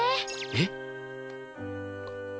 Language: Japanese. えっ？